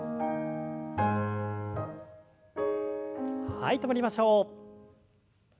はい止まりましょう。